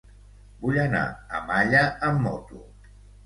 Vull anar a Malla amb moto.